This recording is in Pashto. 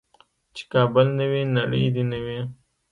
چې کابل نه وي نړۍ دې نه وي.